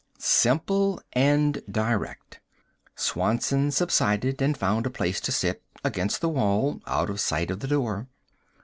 Simple and direct. Swanson subsided and found a place to sit, against the wall, out of sight of the door.